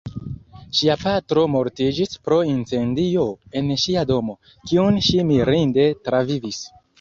Ŝia patro mortiĝis pro incendio en ŝia domo, kiun ŝi mirinde travivis.